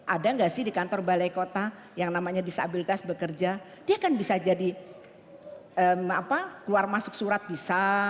ada nggak sih di kantor balai kota yang namanya disabilitas bekerja dia kan bisa jadi keluar masuk surat bisa